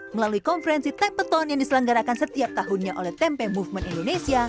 melalui konferensi tempetone yang diselenggarakan setiap tahunnya oleh tempe movement indonesia